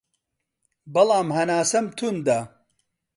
بەڵام هەناسەم توندە